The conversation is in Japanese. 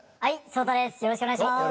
よろしくお願いします。